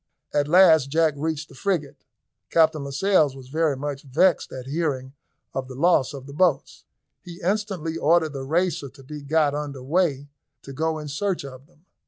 At last Jack reached the frigate. Captain Lascelles was very much vexed at hearing of the loss of the boats. He instantly ordered the Racer to be got under weigh to go in search of them.